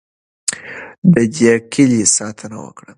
د دې کیلي ساتنه وکړئ.